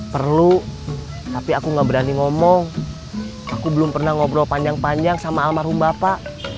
perlu tapi aku gak berani ngomong aku belum pernah ngobrol panjang panjang sama almarhum bapak